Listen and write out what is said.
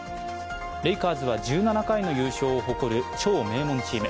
レイカーズは、１７回の優勝を誇る超名門チーム。